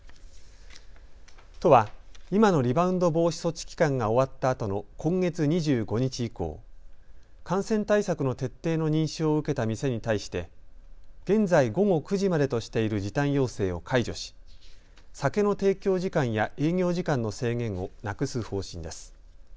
都は今のリバウンド防止措置期間が終わったあとの今月２５日以降、感染対策の徹底の認証を受けた店に対して現在、午後９時までとしている時短要請を解除し、酒の提供時間や営業時間の制限をなくす方針です。